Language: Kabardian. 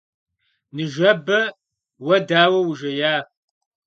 Nıjjebe vue daue vujjêya?